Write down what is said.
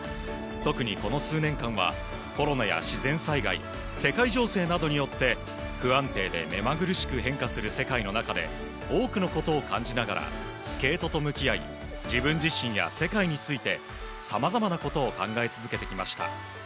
特に、この数年間はコロナや自然災害世界情勢などによって不安定で目まぐるしく変化する世界の中で多くのことを感じながらスケートと向き合い自分自身や世界についてさまざまなことを考え続けてきました。